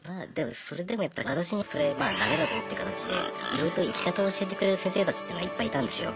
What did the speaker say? それでもやっぱり私にそれまあダメだぞって形でいろいろと生き方を教えてくれる先生たちっていうのはいっぱいいたんですよ。